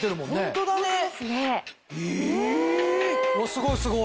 すごいすごい。